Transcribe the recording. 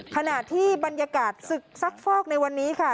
ขณะที่บรรยากาศศึกซักฟอกในวันนี้ค่ะ